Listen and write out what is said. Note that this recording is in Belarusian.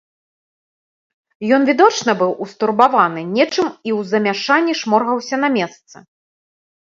Ён відочна быў устурбаваны нечым і ў замяшанні шморгаўся на месцы.